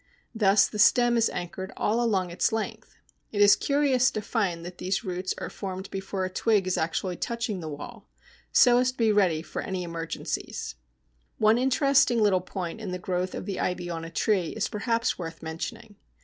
Thus the stem is anchored all along its length. It is curious to find that these roots are formed before a twig is actually touching the wall, so as to be ready for any emergencies. Henslow, l.c. One interesting little point in the growth of the ivy on a tree is perhaps worth mentioning.